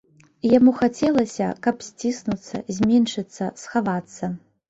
Яму хацелася, каб сціснуцца, зменшыцца, схавацца.